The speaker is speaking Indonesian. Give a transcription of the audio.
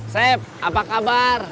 sep apa kabar